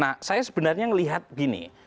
nah saya sebenarnya melihat gini